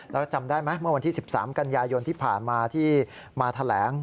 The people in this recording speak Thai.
แล้วจำได้ไหมเมื่อวันที่๑๓กันยายนที่ผ่านมาที่มาแถลง